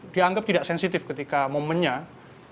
dia anggap tidak sensitif ketika momennya itu tidak sensitif